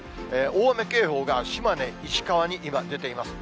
大雨警報が島根、石川に今、出ています。